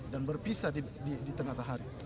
dan berpisah di tengah hari